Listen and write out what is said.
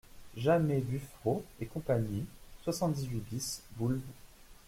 Jamet Buffereau & Cie, soixante-dix-huit bis, boulev.